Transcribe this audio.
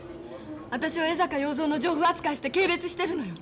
私を江坂要造の情婦扱いして軽蔑してるのよ。